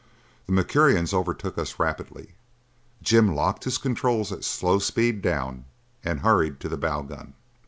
The Mercurians overtook us rapidly; Jim locked his controls at slow speed down and hurried to the bow gun.